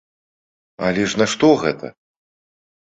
Але ж нашто гэта?